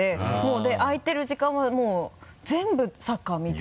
で空いてる時間はもう全部サッカー見て。